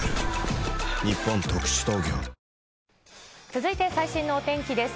続いて最新のお天気です。